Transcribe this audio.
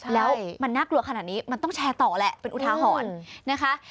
แล้วมันน่ากลัวขนาดนี้มันต้องแชร์ต่อแหละเป็นอุทาหรณ์นะคะ